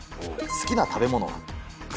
好きな食べ物は。